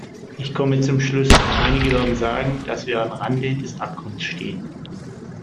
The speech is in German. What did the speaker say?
Ich komme zum Schluss. Einige werden sagen, dass wir am Rande des Abgrunds stehen.